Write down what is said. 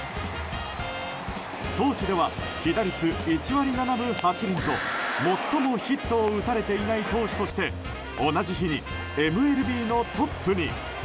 投手では、被打率１割７分８厘と最もヒットを打たれていない投手として同じ日にＭＬＢのトップに。